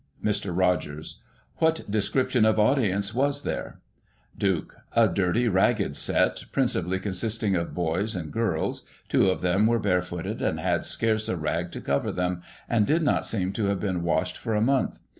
Mr. Rogers : What description of audience was there ? Duke: A dirty, ragged set, principally consisting of boys and girls; two of them were barefooted, and had scarce a rag to cover them, and did not seem to have been washed for a month.